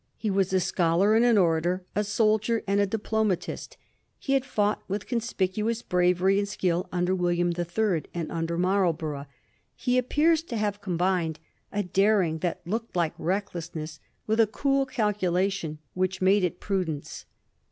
He was a scholar and an orator, a soldier and a dip lomatist. He had fought with conspicuous bravery and skill under William the Third, and under Marl borough. He appears to have combined a daring that looked like recklessness with a cool calculation which made it prudence.